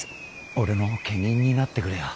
俺の家人になってくれよ。